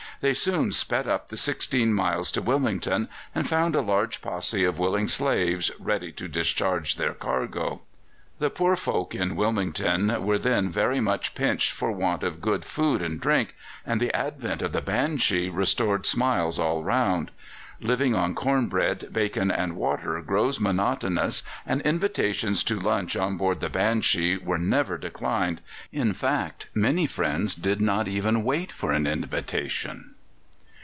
They soon sped up the sixteen miles to Wilmington, and found a large posse of willing slaves ready to discharge their cargo. The poor folk at Wilmington were then very much pinched for want of good food and drink, and the advent of the Banshee restored smiles all round. Living on corn bread, bacon, and water grows monotonous, and invitations to lunch on board the Banshee were never declined in fact, many friends did not even wait for an invitation.